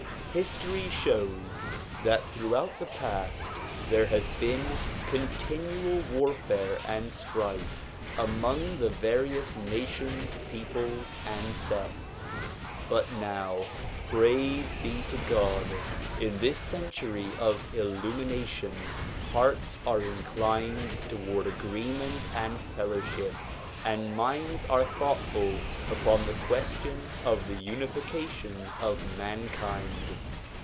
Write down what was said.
His tory shows that throughout the past there has been continual warfare and strife among the various nations, peoples and sects. but now, Praise be to God ! in this century of illumination, hearts are inclined toward agreement and fellowship and minds are thoughtful upon the question of the unification of mankind.